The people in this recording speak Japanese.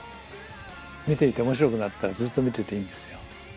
見ていて面白くなったらずっと見てていいんですよ。